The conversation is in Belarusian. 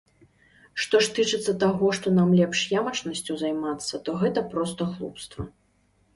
Што ж тычыцца таго, што нам лепш ямачнасцю займацца, то гэта проста глупства.